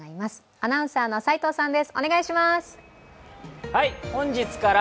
アナウンサーの齋藤さんです